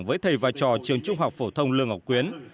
với thầy và trò trường trung học phổ thông lương ngọc quyến